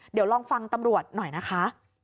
เดี๋ยวลองฟังตำรวจหน่อยนะคะ